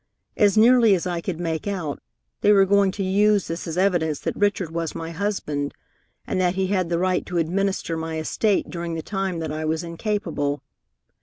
As nearly as I could make out, they were going to use this as evidence that Richard was my husband, and that he had the right to administer my estate during the time that I was incapable.